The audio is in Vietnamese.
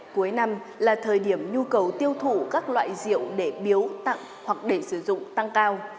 cuối năm là thời điểm nhu cầu tiêu thụ các loại rượu để biếu tặng hoặc để sử dụng tăng cao